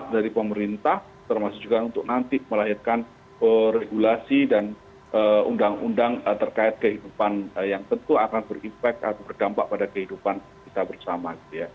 dan itu juga untuk nanti melahirkan regulasi dan undang undang terkait kehidupan yang tentu akan berimpek atau berdampak pada kehidupan kita bersama